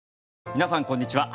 皆さん、こんにちは。